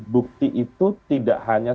bukti itu tidak hanya